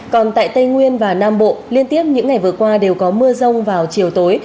còn tại tây nguyên và nam bộ liên tiếp những ngày vừa qua đều có mưa rông vào chiều tối